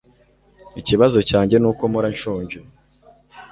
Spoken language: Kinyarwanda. Ikibazo cyanjye nuko mpora nshonje